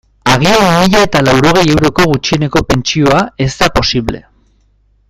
Agian mila eta laurogei euroko gutxieneko pentsioa ez da posible.